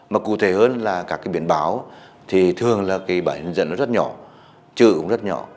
mà cụ thể hơn là các cái biển báo thì thường là cái bản hình dẫn nó rất nhỏ chữ cũng rất nhỏ